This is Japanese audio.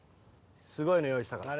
すごいの用意したから。